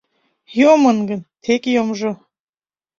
Йомын гын — тек йомжо...